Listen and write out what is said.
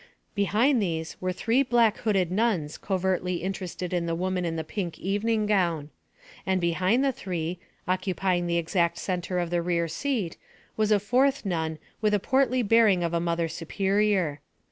Behind these were three black hooded nuns covertly interested in the woman in the pink evening gown. And behind the three, occupying the exact centre of the rear seat, was a fourth nun with the portly bearing of a Mother Superior.